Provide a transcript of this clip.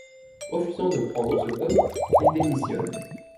Refusant de prendre ce poste, il démissionne.